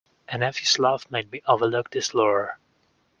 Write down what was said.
A nephew's love made me overlook the slur.